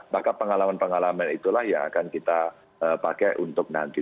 maka pengalaman pengalaman itulah yang akan kita pakai untuk nanti